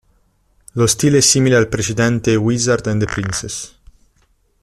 Lo stile è simile al precedente "Wizard and the Princess".